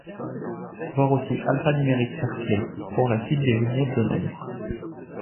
Voir aussi Alphanumériques cerclés pour la suite des vignettes de nombres.